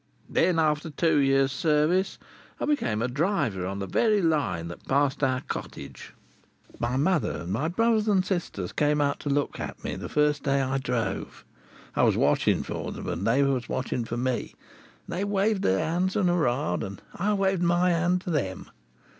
Then, after two years' service, I became a driver on the very Line which passed our cottage. My mother and my brothers and sisters came out to look at me, the first day I drove. I was watching for them and they was watching for me, and they waved their hands and hoora'd, and I waved my hand to them.